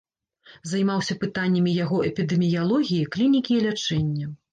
Займаўся пытаннямі яго эпідэміялогіі, клінікі і лячэння.